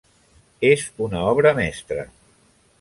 És una obra mestra.